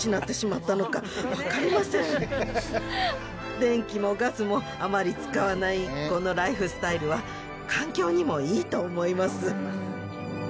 電気もガスもあまり使わないこのライフスタイルは環境にもいいと思います。